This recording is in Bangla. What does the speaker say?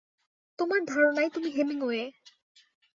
তোমার ধারণায় তুমি হেমিংওয়ে।